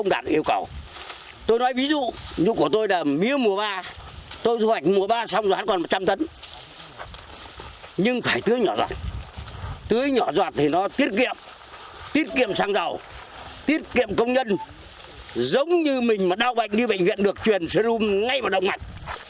giống như mình mà đau bệnh đi bệnh viện được truyền serum ngay vào đồng mạch